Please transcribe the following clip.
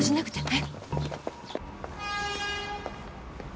はい！